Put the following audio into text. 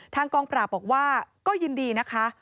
กองปราบบอกว่าก็ยินดีนะคะ